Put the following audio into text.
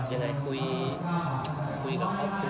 มือนก็คุยกับครอบครัว